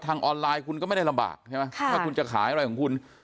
ออนไลน์คุณก็ไม่ได้ลำบากใช่ไหมถ้าคุณจะขายอะไรของคุณ